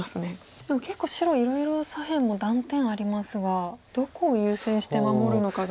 でも結構白いろいろ左辺も断点ありますがどこを優先して守るのかが。